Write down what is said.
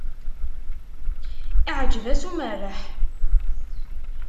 Iεǧeb-as umerreḥ.